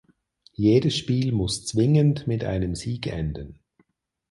Jedes Spiel muss zwingend mit einem Sieg enden.